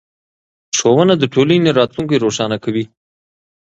ښوونه د ټولنې راتلونکی روښانه کوي